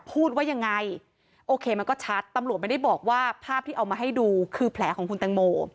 พูดว่ายังไงโอเคมันก็ชัดตำรวจไม่ได้บอกว่าภาพที่เอามาให้ดูคือแผลของคุณแตงโม